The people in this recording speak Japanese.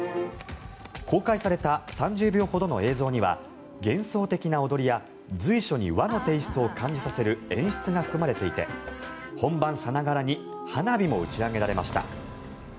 公開された３０秒ほどの映像には幻想的な踊りや随所に和のテイストを感じさせる演出が含まれていて本番さながらに花火も打ち上げられました。